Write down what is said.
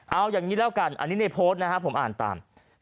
เอาอย่างนี้แล้วกันอันนี้ในโพสต์นะครับผมอ่านตาม